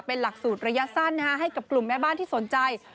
เป็นหลักสูตรระยะสั้นให้กับกลุ่มแม่บ้านที่สนใจ